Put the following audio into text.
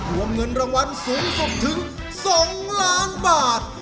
รวมเงินรางวัลสูงสุดถึง๒ล้านบาท